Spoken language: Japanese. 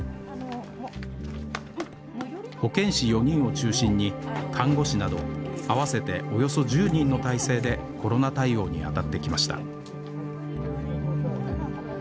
保健師４人を中心に看護師など合わせておよそ１０人の体制でコロナ対応に当たってきました